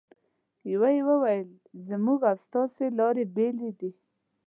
یوه یې وویل: زموږ او ستاسې لارې بېلې دي.